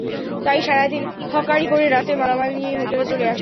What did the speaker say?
তাই সারা দিন হকারি করে রাতে মালামাল নিয়েই হোটেলে চলে আসি।